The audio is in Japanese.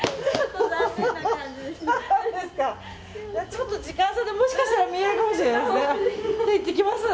ちょっと時間差でもしかしたら見えるかもしれませんので行ってきます。